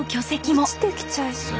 落ちてきちゃいそう。